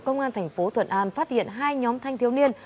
công an tp thuận an phát hiện hai nhóm thanh thiếu niên